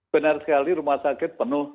benar sekali rumah sakit penuh